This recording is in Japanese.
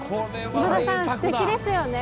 今田さん、すてきですよね